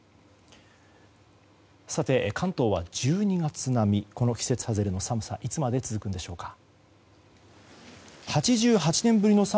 さて、関東は１２月並みこの季節外れの寒さいつまで続くんでしょうか。